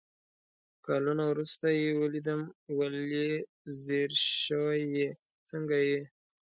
کالونه ورورسته يې ويلدم ول يې ځير شوي يې ، څنګه يې ؟